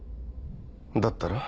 だったら？